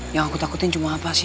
yang aku takutin cuma apa sih